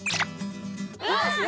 うわっ！